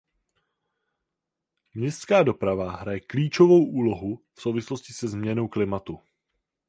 Městská doprava hraje klíčovou úlohu v souvislosti se změnou klimatu.